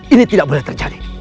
ini tidak boleh terjadi